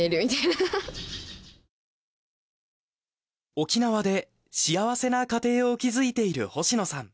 沖縄で幸せな家庭を築いている星野さん。